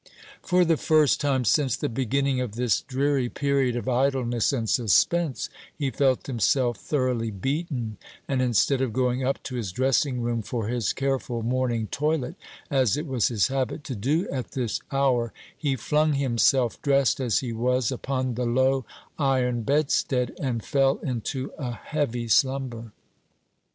For the first time since the beginning of this dreary period of idleness and suspense he felt himself thoroughly beaten, and instead of going up to his dressing room for his careful morning toilet, as it was his habit to do at this hour, he flung himself, dressed as he was, upon the low iron bedstead, and fell into a heavy slumber.